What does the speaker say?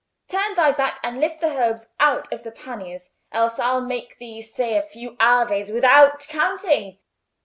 Turn thy back, and lift the herbs out of the panniers, else I'll make thee say a few Aves without counting."